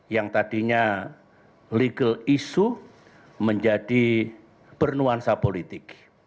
yang tadinya legal issue menjadi bernuansa politik